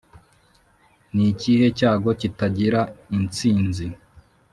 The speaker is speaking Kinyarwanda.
nikihe cyago kitagira insinzi?"